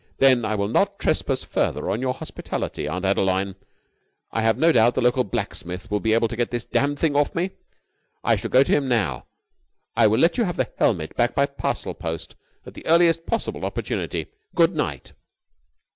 "Then I will not trespass further on your hospitality, Aunt Adeline. I have no doubt the local blacksmith will be able to get this damned thing off me. I shall go to him now. I will let you have the helmet back by parcel post at the earliest possible opportunity. Good night!"